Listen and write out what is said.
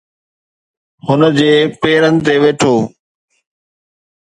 هن جي پيرن تي ويٺو.